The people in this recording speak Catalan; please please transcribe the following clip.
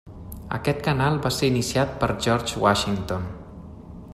Aquest canal va ser iniciat per George Washington.